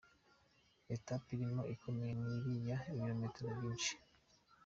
Etape irimo ikomeye ni iriya y’ibilometero byinshi.